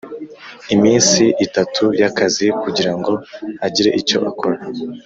Iminsi itatu y akazi kugira ngo agire icyo akora